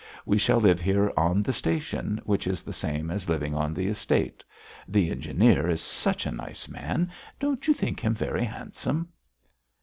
We shall live here on the station, which is the same as living on the estate. The engineer is such a nice man! Don't you think him very handsome?"